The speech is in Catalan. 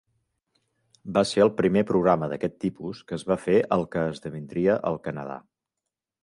Va ser el primer programa d'aquest tipus que es va fer al que esdevindria el Canadà.